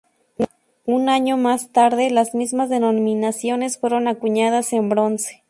Un año más tarde, las mismas denominaciones fueron acuñadas en bronce.